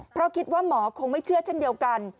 เพราะคิดว่าหมอคงไม่เชื่อเช่นเดียวกัน